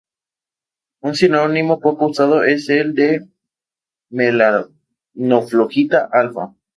Un sinónimo poco usado es el de melanoflogita-alfa.